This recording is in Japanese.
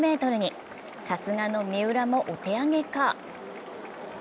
さすがの三浦もお手上げか？